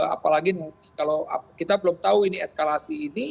apalagi kalau kita belum tahu ini eskalasi ini